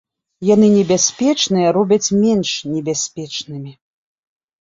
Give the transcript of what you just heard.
Яны небяспечныя робяць менш небяспечнымі.